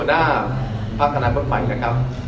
เพราะผมยังเป็นหัวหน้าภาคคณะเบื้องใหม่นะครับ